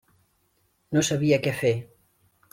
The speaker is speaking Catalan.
No sabia què fer.